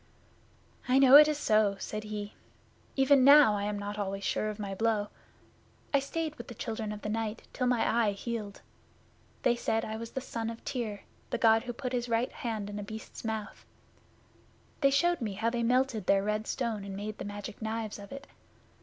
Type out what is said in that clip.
'I know it is so,' said he. 'Even now I am not always sure of my blow. I stayed with the Children of the Night till my eye healed. They said I was the son of Tyr, the God who put his right hand in a Beast's mouth. They showed me how they melted their red stone and made the Magic Knives of it.